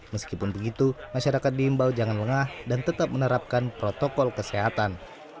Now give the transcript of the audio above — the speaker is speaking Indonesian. meskipun begitu masyarakat diimbau jangan lengah dan tetap menerapkan protokol kesehatan